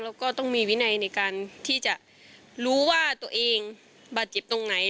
แล้วก็ต้องมีวินัยในการที่จะรู้ว่าตัวเองบาดเจ็บตรงไหน